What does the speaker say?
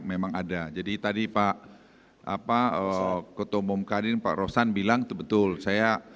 memang ada jadi tadi pak kutumbuh mukadin pak rosan bilang itu betul saya